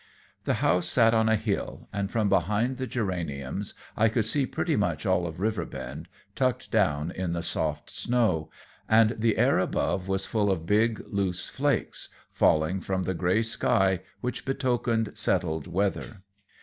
The house sat on a hill, and from behind the geraniums I could see pretty much all of Riverbend, tucked down in the soft snow, and the air above was full of big, loose flakes, falling from a gray sky which betokened settled weather.